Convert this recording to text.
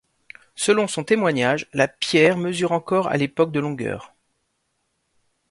Selon son témoignage, la pierre mesure encore à l'époque de longueur.